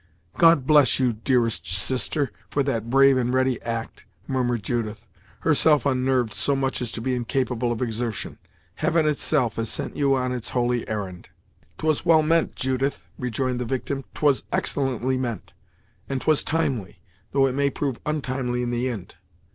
"God bless you, dearest sister, for that brave and ready act!" murmured Judith, herself unnerved so much as to be incapable of exertion "Heaven, itself, has sent you on its holy errand." "'Twas well meant, Judith " rejoined the victim "'twas excellently meant, and 'twas timely; though it may prove ontimely in the ind!